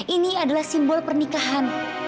ini adalah simbol pernikahan